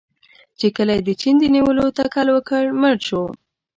چې کله یې د چین د نیولو تکل وکړ، مړ شو.